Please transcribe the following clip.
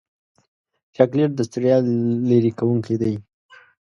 چاکلېټ د ستړیا لرې کوونکی دی.